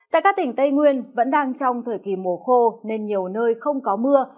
tại các tỉnh tây nguyên vẫn đang trong thời kỳ mùa khô nên nhiều nơi không có mưa